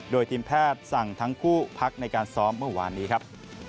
โดยทีมแพทย์สั่งทั้งคู่พักในการซ้อมเมื่อวานนี้ครับ